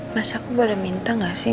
masa aku baru minta gak sih